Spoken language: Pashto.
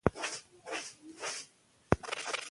د غرونو په منځ کې تګ د صبر او استقامت تمرین دی.